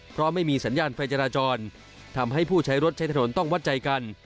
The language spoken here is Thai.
เพราะไม่มีสัญญาณไฟจราจรทำให้ผู้ใช้รถใช้ถนนต้องวัดใจกัน